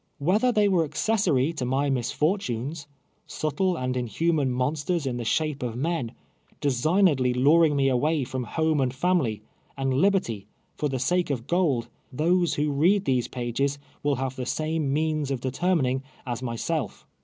AV hcther they were accessory to my misfortunes — subtle and inhuman monsters in the sha})e of men — designedly luring me away iVoiii liome and family, and liberty, for the sake of gold — those who read these pages M'ill have the same means of determining as myself.